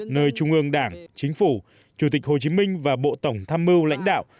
nơi trung ương đảng chính phủ chủ tịch hồ chí minh và bộ tổng tham mưu lãnh đạo